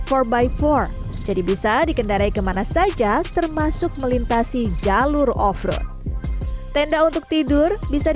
empat x empat jadi bisa dikendarai kemana saja termasuk melintasi jalur offroad tenda untuk tidur bisa